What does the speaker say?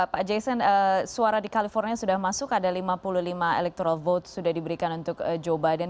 pak jason suara di california sudah masuk ada lima puluh lima electoral vote sudah diberikan untuk joe biden